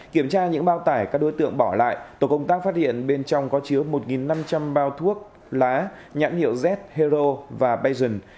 kiểm tra những bao tải các đối tượng bỏ lại tổ công tác phát hiện bên trong có chứa một năm trăm linh bao thuốc lá nhãn hiệu z hero và bazon